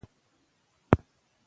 د یو سوکاله او مرفه ژوند په هیله.